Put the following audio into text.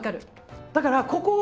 だからここを。